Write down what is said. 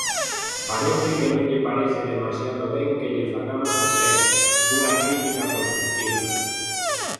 Parece que non lle parece demasiado ben que lle fagamos achegas, unha crítica construtiva.